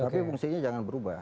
tapi fungsinya jangan berubah